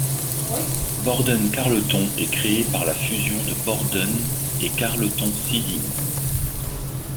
Borden-Carleton est créé le par la fusion de Borden et Carleton Siding.